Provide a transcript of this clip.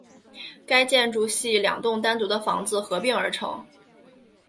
该建筑系两栋单独的房子合并而成。